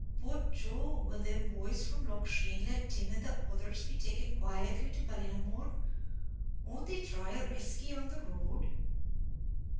"But, Joe, will them boys from Loch Sheen let Tim and the others be taken quietly to Ballinamore? Won't they try a reskey on the road?"